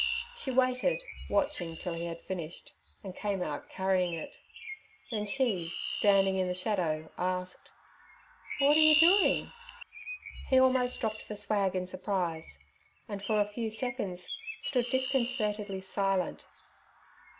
She waited, watching till he had finished, and came out carrying it. Then she, standing in the shadow, asked, 'What er you doin'?' He almost dropped the swag in his surprise, and for a few seconds stood disconcertedly silent.